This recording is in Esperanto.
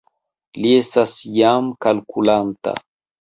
Li estas jam kalkulanta